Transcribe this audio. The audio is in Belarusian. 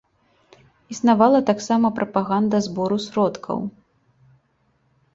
Існавала таксама прапаганда збору сродкаў.